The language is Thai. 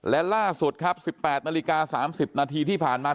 และล่าสุดครับ๑๘นาฬิกา๓๐นาทีที่ผ่านมา